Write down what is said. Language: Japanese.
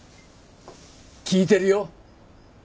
聞いてるよ。